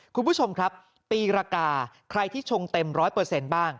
คุณผู้ชมครับปีรากาใครที่ชงเต็ม๑๐๐บ้าง